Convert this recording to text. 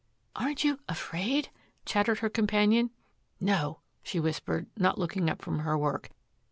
"Aren't you afraid?" chattered her companion. "No," she whispered, not looking up from her work.